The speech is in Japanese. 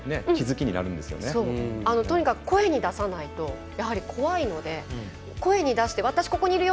とにかく声に出さないとやはり怖いので声に出して、私ここにいるよ